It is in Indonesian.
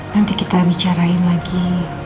nanti kita bicarain lagi